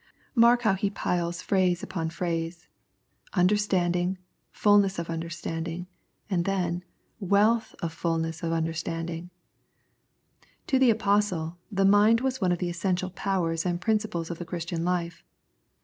Mark hov^ he piles phrase upon phrase —'' understanding," " fulness of understanding," and then " v^^ealth of fulness of understanding." To the Apostle, the mind was one of the essential powers and principles of the Christian life.